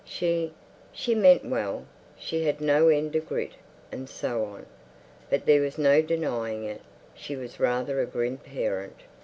She—she meant well, she had no end of grit, and so on. But there was no denying it, she was rather a grim parent.